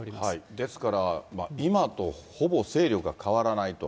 ですから今とほぼ勢力が変わらないと。